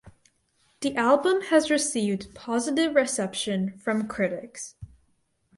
The album has received positive reception from critics.